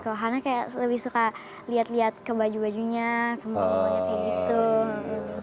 kalau hana kayak lebih suka liat liat ke baju bajunya ke mall semuanya kayak gitu